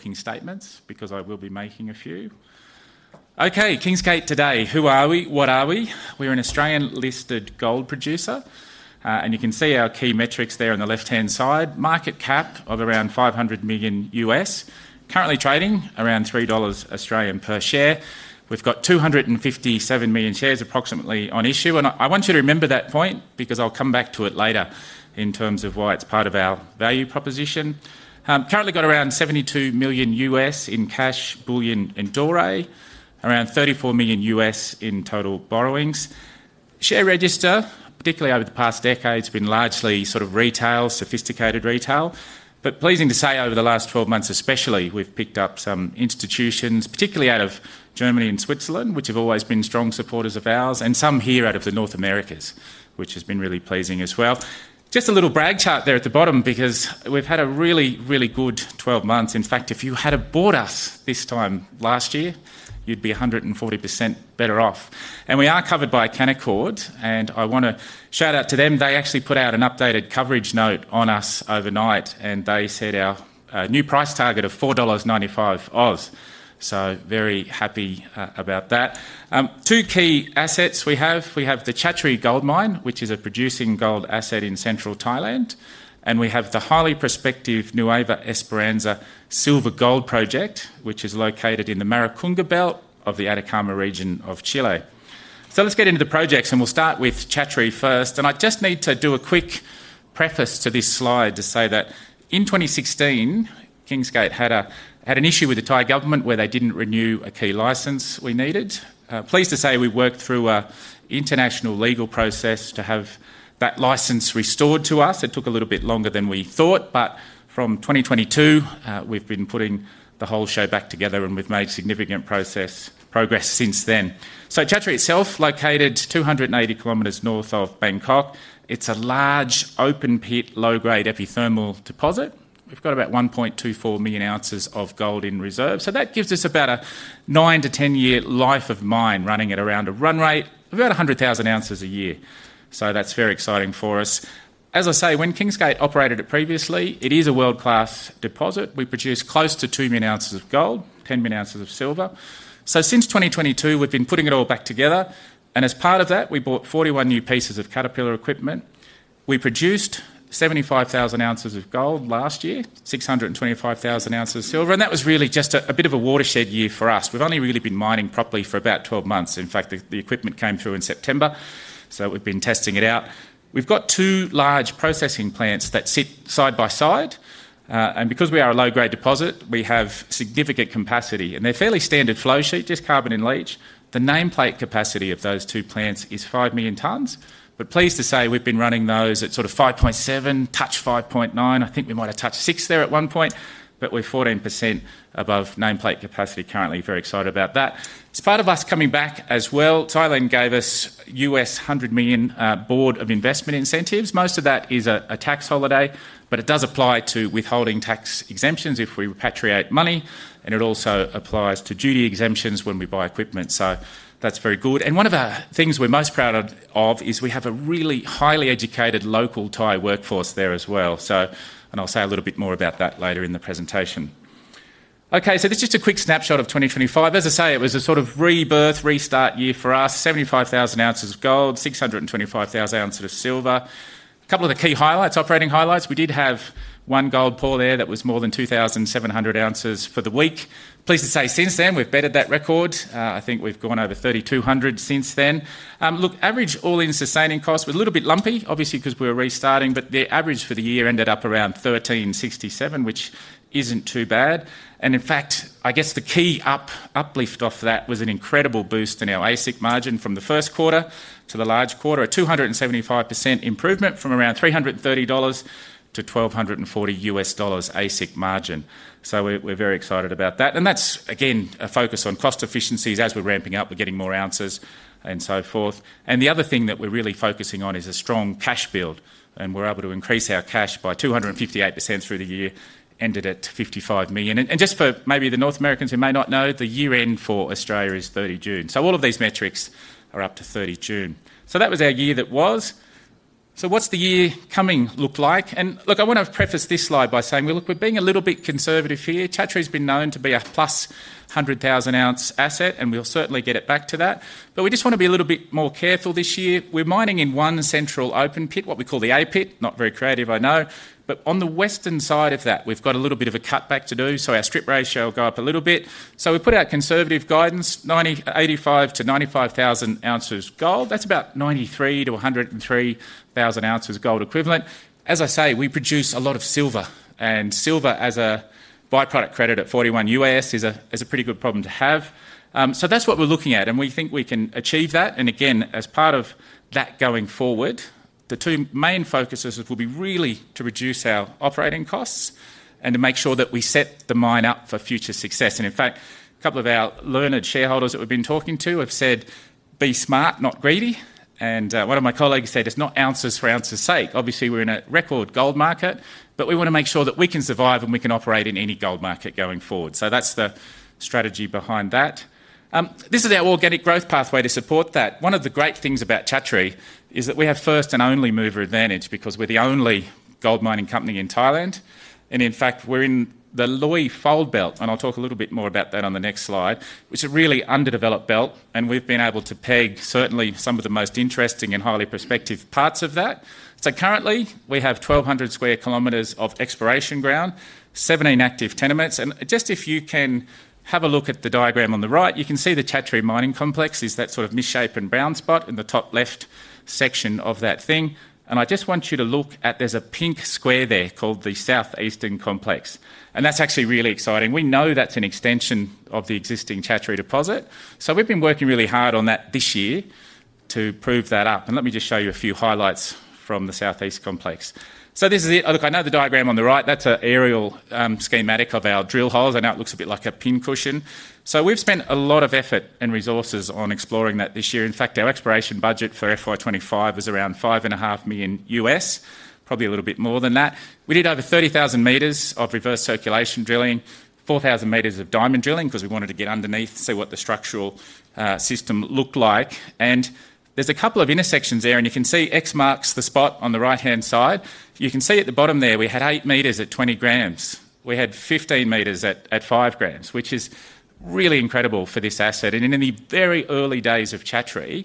King statements, because I will be making a few. Okay, Kingsgate today. Who are we? What are we? We're an Australian-listed gold producer. You can see our key metrics there on the left-hand side. Market cap of around $500 million U.S. Currently trading around $3 Australian per share. We've got approximately 257 million shares on issue. I want you to remember that point because I'll come back to it later in terms of why it's part of our value proposition. Currently got around $72 million U.S. in cash, bullion and dore. Around $34 million U.S. in total borrowings. Share register, particularly over the past decade, has been largely sort of retail, sophisticated retail. Pleasing to say over the last 12 months, especially, we've picked up some institutions, particularly out of Germany and Switzerland, which have always been strong supporters of ours, and some here out of the North Americas, which has been really pleasing as well. Just a little brag chart there at the bottom because we've had a really, really good 12 months. In fact, if you had bought us this time last year, you'd be 140% better off. We are covered by Canaccord. I want to shout out to them. They actually put out an updated coverage note on us overnight. They said our new price target of $4.95 AUD. Very happy about that. Two key assets we have. We have the Chatree Gold Mine, which is a producing gold asset in central Thailand. We have the highly prospective Nueva Esperanza Silver Gold Project, which is located in the Maricunga Belt of the Atacama region of Chile. Let's get into the projects. We'll start with Chatree first. I just need to do a quick preface to this slide to say that in 2016, Kingsgate had an issue with the Thai government where they didn't renew a key license we needed. Pleased to say we worked through an international legal process to have that license restored to us. It took a little bit longer than we thought. From 2022, we've been putting the whole show back together. We've made significant progress since then. Chatree itself, located 280 kilometers north of Bangkok. It's a large open pit, low-grade epithermal deposit. We've got about 1.24 million ounces of gold in reserve. That gives us about a nine to ten-year life of mine running at around a run rate of about 100,000 ounces a year. That's very exciting for us. As I say, when Kingsgate operated it previously, it is a world-class deposit. We produce close to two million ounces of gold, 10 million ounces of silver. Since 2022, we've been putting it all back together. As part of that, we bought 41 new pieces of Caterpillar equipment. We produced 75,000 ounces of gold last year, 625,000 ounces of silver. That was really just a bit of a watershed year for us. We've only really been mining properly for about 12 months. In fact, the equipment came through in September. We've been testing it out. We've got two large processing plants that sit side by side. Because we are a low-grade deposit, we have significant capacity. They're fairly standard flow sheet, just carbon and leach. The nameplate capacity of those two plants is five million tons. Pleased to say we've been running those at sort of 5.7, touched 5.9. I think we might have touched six there at one point. We're 14% above nameplate capacity currently. Very excited about that. As part of us coming back as well, Thailand gave us $100 million Board of Investment incentives. Most of that is a tax holiday. It does apply to withholding tax exemptions if we repatriate money. It also applies to duty exemptions when we buy equipment. That's very good. One of the things we're most proud of is we have a really highly educated local Thai workforce there as well. I'll say a little bit more about that later in the presentation. This is just a quick snapshot of 2025. As I say, it was a sort of rebirth, restart year for us. 75,000 ounces of gold, 625,000 ounces of silver. A couple of the key highlights, operating highlights. We did have one gold pool there that was more than 2,700 ounces for the week. Pleased to say since then, we've bettered that record. I think we've gone over 3,200 since then. Look, average all-in sustaining cost was a little bit lumpy, obviously, because we were restarting. The average for the year ended up around $1,367, which isn't too bad. I guess the key uplift off that was an incredible boost in our ASIC margin from the first quarter to the last quarter, a 275% improvement from around $330 to $1,240 U.S. dollars ASIC margin. We're very excited about that. That's, again, a focus on cost efficiencies as we're ramping up. We're getting more ounces and so forth. The other thing that we're really focusing on is a strong cash build. We're able to increase our cash by 258% through the year, ended at $55 million. Just for maybe the North Americans who may not know, the year-end for Australia is 30 June. All of these metrics are up to 30 June. That was our year that was. What's the year coming look like? I want to preface this slide by saying we're being a little bit conservative here. Chatree's been known to be a plus 100,000 ounce asset. We'll certainly get it back to that. We just want to be a little bit more careful this year. We're mining in one central open pit, what we call the A pit. Not very creative, I know. On the western side of that, we've got a little bit of a cutback to do. Our strip ratio will go up a little bit. We put out conservative guidance, 85,000 to 95,000 ounces gold. That's about 93,000 to 103,000 ounces gold equivalent. As I say, we produce a lot of silver. Silver as a byproduct credit at $41 is a pretty good problem to have. That's what we're looking at. We think we can achieve that. Again, as part of that going forward, the two main focuses will be really to reduce our operating costs and to make sure that we set the mine up for future success. In fact, a couple of our learned shareholders that we've been talking to have said, be smart, not greedy. One of my colleagues said, it's not ounces for ounces' sake. Obviously, we're in a record gold market. We want to make sure that we can survive and we can operate in any gold market going forward. That's the strategy behind that. This is our organic growth pathway to support that. One of the great things about Chatree is that we have first and only mover advantage because we're the only gold mining company in Thailand. In fact, we're in the Loei Fold Belt. I'll talk a little bit more about that on the next slide, which is a really underdeveloped belt. We've been able to peg certainly some of the most interesting and highly prospective parts of that. Currently, we have 1,200 square kilometers of exploration ground, 17 active tenements. If you can have a look at the diagram on the right, you can see the Chatree mining complex is that sort of misshapen brown spot in the top left section of that thing. I just want you to look at, there's a pink square there called the Southeastern Complex. That's actually really exciting. We know that's an extension of the existing Chatree deposit. We've been working really hard on that this year to prove that up. Let me just show you a few highlights from the Southeast Complex. This is it. I know the diagram on the right, that's an aerial schematic of our drill holes, and that looks a bit like a pin cushion. We've spent a lot of effort and resources on exploring that this year. In fact, our exploration budget for FY2025 was around $5.5 million US, probably a little bit more than that. We did over 30,000 meters of reverse circulation drilling, 4,000 meters of diamond drilling because we wanted to get underneath, see what the structural system looked like. There's a couple of intersections there, and you can see X marks the spot on the right-hand side. You can see at the bottom there, we had 8 meters at 20 grams. We had 15 meters at 5 grams, which is really incredible for this asset. In the very early days of Chatree,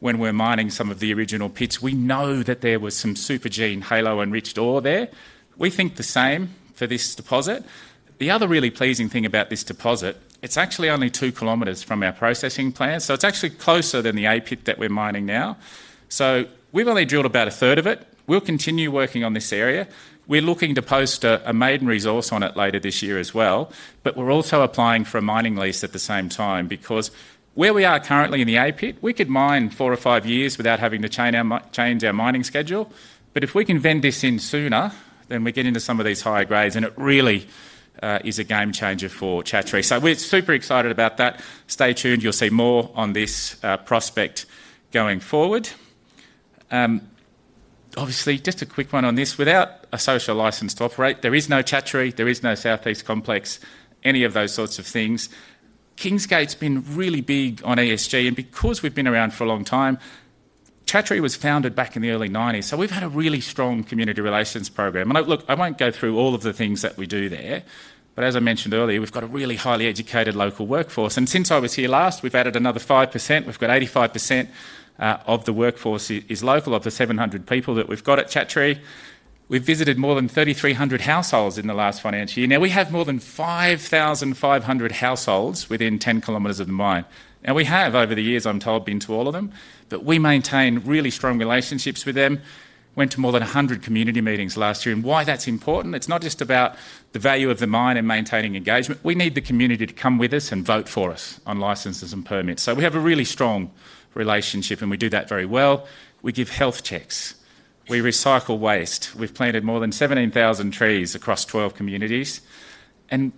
when we were mining some of the original pits, we know that there was some supergene halo enriched ore there. We think the same for this deposit. The other really pleasing thing about this deposit, it's actually only 2 kilometers from our processing plant. It's actually closer than the A pit that we're mining now. We've only drilled about a third of it. We'll continue working on this area. We're looking to post a maiden resource on it later this year as well. We're also applying for a mining lease at the same time because where we are currently in the A pit, we could mine 4 or 5 years without having to change our mining schedule. If we can vend this in sooner, then we get into some of these higher grades. It really is a game changer for Chatree. We're super excited about that. Stay tuned. You'll see more on this prospect going forward. Obviously, just a quick one on this. Without a social license to operate, there is no Chatree. There is no Southeast Complex, any of those sorts of things. Kingsgate's been really big on ESG. Because we've been around for a long time, Chatree was founded back in the early 1990s. We've had a really strong community relations program. I won't go through all of the things that we do there, but as I mentioned earlier, we've got a really highly educated local workforce. Since I was here last, we've added another 5%. We've got 85% of the workforce is local of the 700 people that we've got at Chatree. We've visited more than 3,300 households in the last financial year. Now, we have more than 5,500 households within 10 kilometers of the mine. We have, over the years, I'm told, been to all of them. We maintain really strong relationships with them. We went to more than 100 community meetings last year. Why that's important, it's not just about the value of the mine and maintaining engagement. We need the community to come with us and vote for us on licenses and permits. We have a really strong relationship. We do that very well. We give health checks. We recycle waste. We've planted more than 17,000 trees across 12 communities.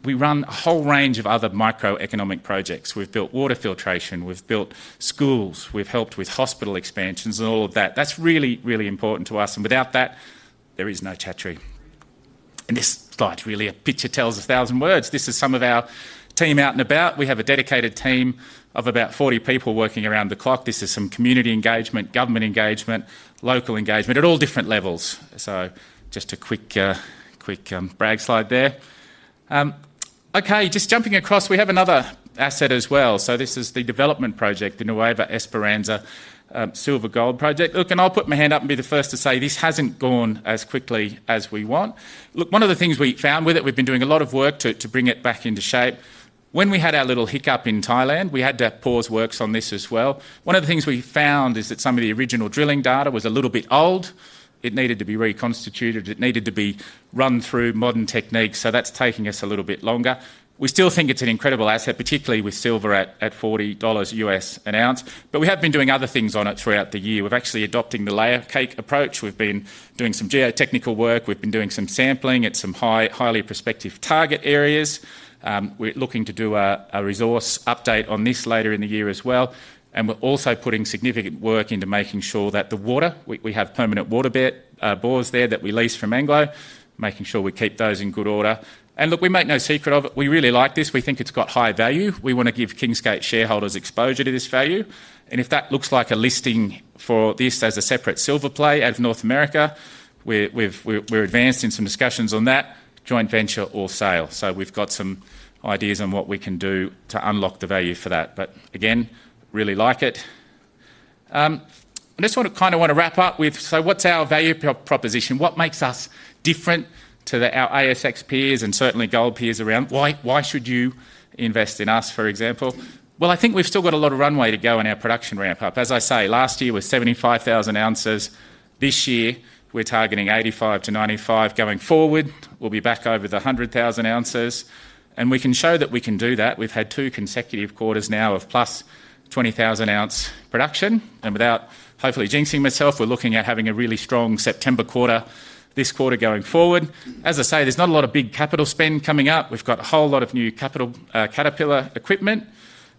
We run a whole range of other microeconomic projects. We've built water filtration. We've built schools. We've helped with hospital expansions and all of that. That's really, really important to us. Without that, there is no Chatree. This slide's really a picture tells a thousand words. This is some of our team out and about. We have a dedicated team of about 40 people working around the clock. This is some community engagement, government engagement, local engagement at all different levels. Just a quick, quick brag slide there. Okay, just jumping across, we have another asset as well. This is the development project in Nueva Esperanza Silver Gold Project. I'll put my hand up and be the first to say this hasn't gone as quickly as we want. One of the things we found with it, we've been doing a lot of work to bring it back into shape. When we had our little hiccup in Thailand, we had to pause works on this as well. One of the things we found is that some of the original drilling data was a little bit old. It needed to be reconstituted. It needed to be run through modern techniques. That's taking us a little bit longer. We still think it's an incredible asset, particularly with silver at $40 an ounce. We have been doing other things on it throughout the year. We're actually adopting the layer cake approach. We've been doing some geotechnical work. We've been doing some sampling at some highly prospective target areas. We're looking to do a resource update on this later in the year as well. We're also putting significant work into making sure that the water, we have permanent water bores there that we lease from Anglo, making sure we keep those in good order. We make no secret of it. We really like this. We think it's got high value. We want to give Kingsgate shareholders exposure to this value. If that looks like a listing for this as a separate silver play out of North America, we're advanced in some discussions on that, joint venture or sale. We've got some ideas on what we can do to unlock the value for that. I just want to wrap up with, what's our value proposition? What makes us different to our ASX peers and certainly gold peers around? Why should you invest in us, for example? I think we've still got a lot of runway to go in our production ramp up. As I say, last year was 75,000 ounces. This year, we're targeting 85,000 to 95,000 going forward. We'll be back over the 100,000 ounces. We can show that we can do that. We've had two consecutive quarters now of plus 20,000 ounce production. Without hopefully jinxing myself, we're looking at having a really strong September quarter this quarter going forward. As I say, there's not a lot of big capital spend coming up. We've got a whole lot of new capital Caterpillar equipment.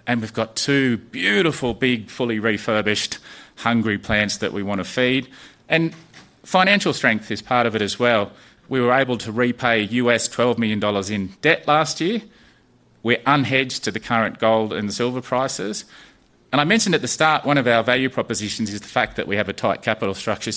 We've got two beautiful big fully refurbished hungry plants that we want to feed. Financial strength is part of it as well. We were able to repay $12 million in debt last year. We're unhedged to the current gold and silver prices. I mentioned at the start, one of our value propositions is the fact that we have a tight capital structure.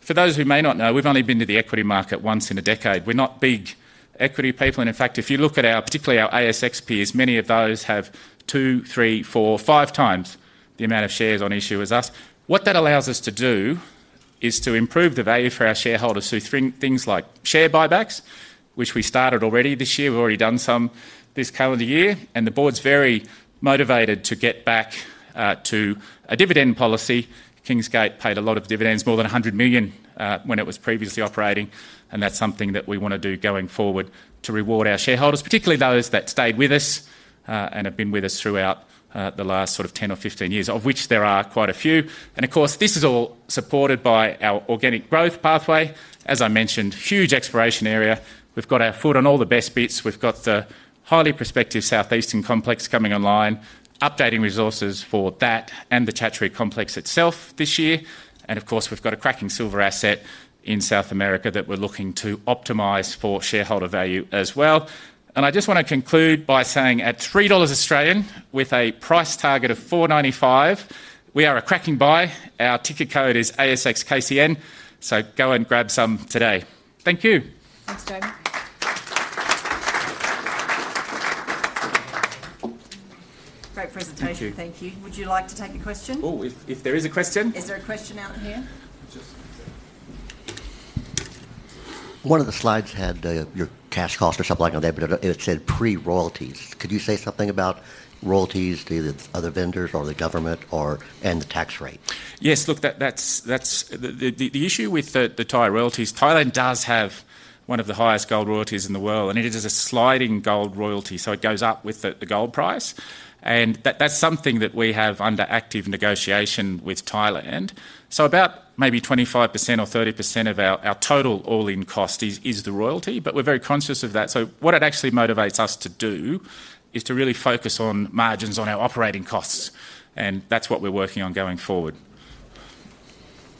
For those who may not know, we've only been to the equity market once in a decade. We're not big equity people. In fact, if you look at our, particularly our ASX peers, many of those have two, three, four, five times the amount of shares on issue as us. What that allows us to do is to improve the value for our shareholders through things like share buybacks, which we started already this year. We've already done some this calendar year. The board's very motivated to get back to a dividend policy. Kingsgate paid a lot of dividends, more than $100 million when it was previously operating. That's something that we want to do going forward to reward our shareholders, particularly those that stayed with us and have been with us throughout the last sort of 10 or 15 years, of which there are quite a few. Of course, this is all supported by our organic growth pathway. As I mentioned, huge exploration area. We've got our foot on all the best bits. We've got the highly prospective Southeastern Complex coming online, updating resources for that and the Chatree Complex itself this year. Of course, we've got a cracking silver asset in South America that we're looking to optimize for shareholder value as well. I just want to conclude by saying at $3 Australian with a price target of $4.95, we are a cracking buy. Our ticker code is ASX:KCN. Go and grab some today. Thank you. Thanks, Jamie. Great presentation. Thank you. Would you like to take a question? If there is a question. Is there a question out here? One of the slides had your cash cost or something like that, but it said pre-royalties. Could you say something about royalties to either the other vendors or the government or the tax rate? Yes, look, the issue with the Thai royalties, Thailand does have one of the highest gold royalties in the world. It is a sliding-scale gold royalty, so it goes up with the gold price. That is something that we have under active negotiation with Thailand. About maybe 25% or 30% of our total all-in cost is the royalty. We are very conscious of that. What it actually motivates us to do is to really focus on margins on our operating costs, and that is what we are working on going forward.